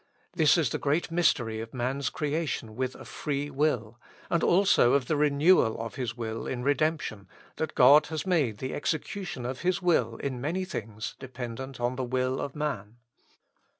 This is the great mystery of man's creation with a free will, and also of the renewal of His will in redemption, that God has made the execution of His will, in many things, dependent on the will of man.